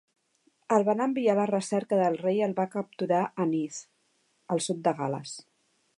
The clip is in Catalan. El van enviar a la recerca del rei i el va capturar a Neath, al sud de Gal·les.